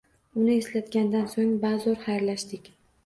Uni eslatgandan soʻng bazoʻr xayrlashdik.